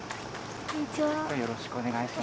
よろしくお願いします。